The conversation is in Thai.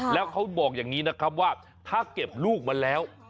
แล้วเขาบอกอย่างนี้นะครับว่าถ้าเก็บลูกมาแล้ว